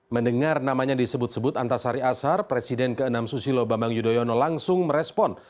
mendengar namanya disebut sebut antasari asar presiden ke enam susilo bambang yudhoyono langsung merespon